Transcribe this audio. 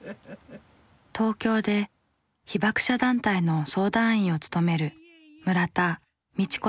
東京で被爆者団体の相談員を務める村田未知子さん。